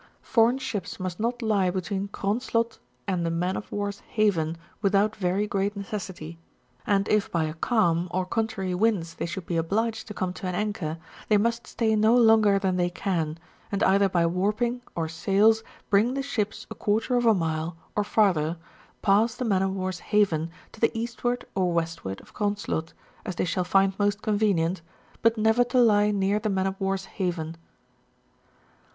Foreign ships must not lie between Cronslott and the Man of War*s Haven without very great necessity ; and if by a calm, or contrary winds, they should be obliged to come to an anchor, they must stay no longer than they can, and either by warping or sails, bring the ships a quarter of a mile, or farther, past the Man of War's Haven to the east wf^ or westward of Cronslott, as they shall nnd most convenient, but never to lie near the Man of War's Haven.